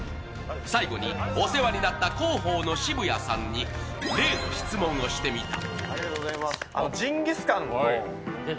最後に、お世話になった広報の澁谷さんに例の質問をしてみた。